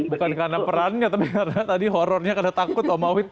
bukan karena perannya tapi karena tadi horrornya karena takut sama wit